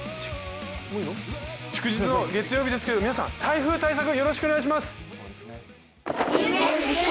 祝日の月曜日ですけど皆さん、台風対策よろしくお願いします。